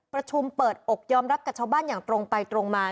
ประชุมเปิดอกยอมรับกับชาวบ้านอย่างตรงไปตรงมา